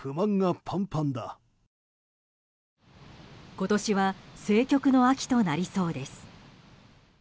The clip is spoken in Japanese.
今年は政局の秋となりそうです。